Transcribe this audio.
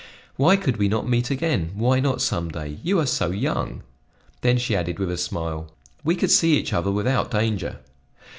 "Why could we not meet again? Why not some day you are so young!" Then she added with a smile: "We could see each other without danger."